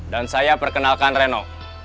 dan saya perkenalkan reno